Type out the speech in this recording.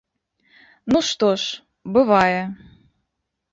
Ну, што ж, бывае.